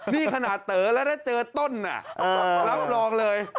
นี่ขนาดเต๋อแล้วแล้วเต๋อต้นน่ะรับรองเลย